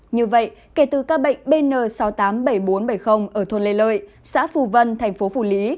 như vậy kể từ ca bệnh bn sáu mươi tám bảy nghìn bốn trăm bảy mươi ở thôn lê lợi xã phù vân thành phố phủ lý